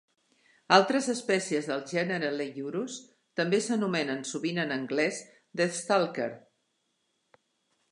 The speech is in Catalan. Altres espècies del gènere Leiurus també s'anomenen sovint en anglès "deathstalker".